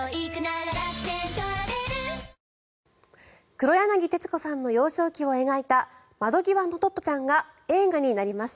黒柳徹子さんの幼少期を描いた「窓ぎわのトットちゃん」が映画になります。